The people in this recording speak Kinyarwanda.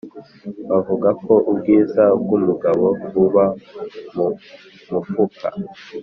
Bavuga ko ubwiza bw’ umugabo buba mu mufuka